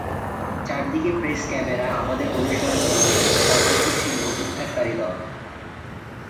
চারদিকে press camera আমাদের অনুসরণ করছিল, সর্বত্র ছিল উদ্ধারকারী দল।